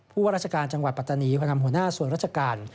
ว่าราชการจังหวัดปัตตานีก็นำหัวหน้าส่วนราชการ